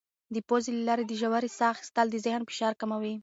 د پوزې له لارې د ژورې ساه اخیستل د ذهن فشار کموي.